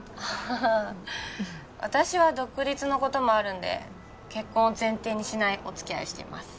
ああ私は独立のこともあるんで結婚を前提にしないおつきあいをしています